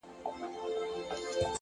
مهرباني د سختو زړونو قلف ماتوي.